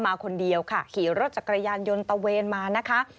มาคนเดียวค่ะขี่รถจักรยานยนต์ตะเวนมานะคะ